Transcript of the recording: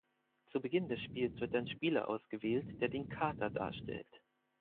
Zu Beginn des Spiels wird ein Spieler ausgewählt, der den Kater darstellt.